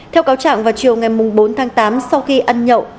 theo cáo trạng vào chiều ngày bốn tháng tám sau khi ăn nhậu